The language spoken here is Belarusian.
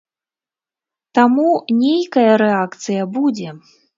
Таму, нейкая рэакцыя будзе.